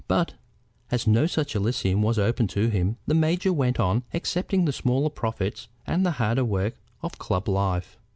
But, as no such Elysium was opened to him, the major went on accepting the smaller profits and the harder work of club life.